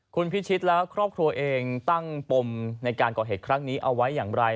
คุณพิชิตและครอบครัวเองตั้งปมในการก่อเหตุครั้งนี้เอาไว้อย่างไร